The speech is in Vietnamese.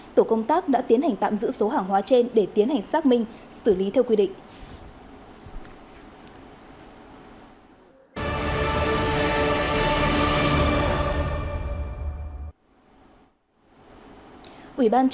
tổ công tác đã tiến hành tạm giữ số hàng hóa trên để tiến hành xác minh xử lý theo quy định